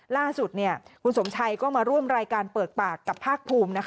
ล่าสุดคุณสมชัยก็มาร่วมรายการเปิดปากกับภาคภูมิ